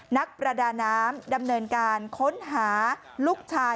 นักประดาน้ำดำเนินการค้นหาลูกชาย